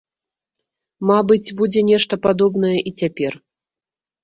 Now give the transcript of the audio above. Мабыць, будзе нешта падобнае і цяпер.